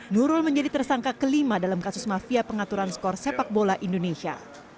nurul menjadi tersangka kelima dalam kasus mafia pengaturan skor sepak bola indonesia